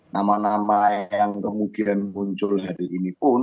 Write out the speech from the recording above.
nama nama yang kemungkinan muncul hari ini pun